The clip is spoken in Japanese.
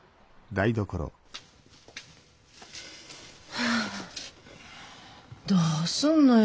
はあどうすんのよ